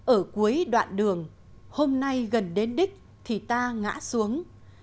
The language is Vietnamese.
ở cuối đoạn đường hôm nay gần đến đích thì ta ngã xuống